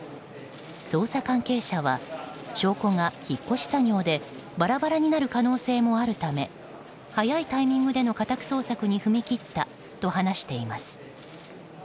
捜査関係者は証拠が引っ越し作業でバラバラになる可能性もあるため早いタイミングでの家宅捜索に踏み切ったと話しています。